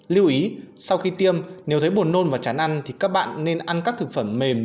lưu ý sau khi tiêm nếu thấy buồn nôn và chán ăn thì các bạn nên ăn các thực phẩm mềm